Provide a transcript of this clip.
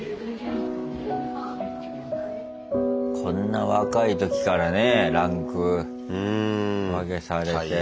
こんな若い時からねえランク分けされて。